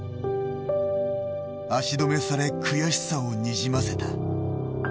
足止めされ悔しさをにじませた。